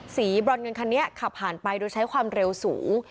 บรอนเงินคันนี้ขับผ่านไปโดยใช้ความเร็วสูง